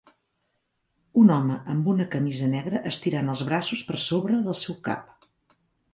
Un home amb una camisa negra estirant els braços per sobre del seu cap.